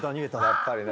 やっぱりな。